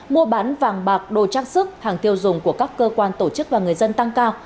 mua bán vàng bạc đồ trang sức hàng tiêu dùng của các cơ quan tổ chức và người dân tăng cao